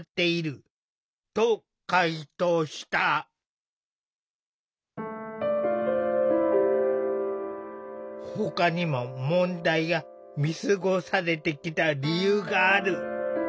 都は取材に対しほかにも問題が見過ごされてきた理由がある。